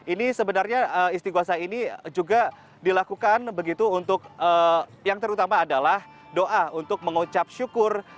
ini sebenarnya istiqwasa ini juga dilakukan begitu untuk yang terutama adalah doa untuk mengucap syukur